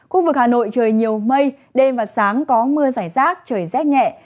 khu vực hà nội trời nhiều mây đêm và sáng có mưa rải rác trời rét nhẹ